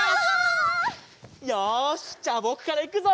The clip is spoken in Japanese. よしじゃぼくからいくぞ！